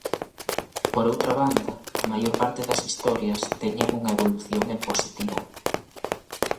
Por outra banda, a maior parte das historias teñen unha evolución en positivo.